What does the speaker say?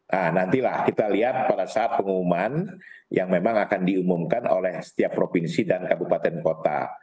nah nantilah kita lihat pada saat pengumuman yang memang akan diumumkan oleh setiap provinsi dan kabupaten kota